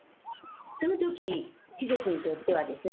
その時貴族にとってはですね